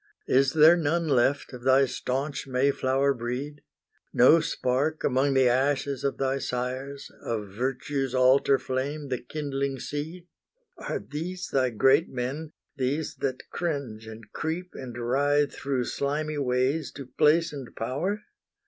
Is there none left of thy staunch Mayflower breed? No spark among the ashes of thy sires, Of Virtue's altar flame the kindling seed? Are these thy great men, these that cringe and creep, And writhe through slimy ways to place and power?